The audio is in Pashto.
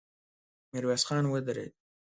ميرويس خان ودرېد.